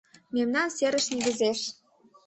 Мемнан серыш негызеш.